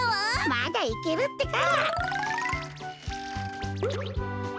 まだいけるってか！